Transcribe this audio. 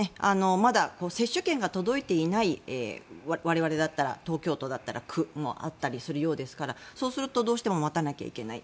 まだ接種券が届いていない我々だったら東京都だったら区があったりするようですからそうするとどうしても待たなきゃいけない。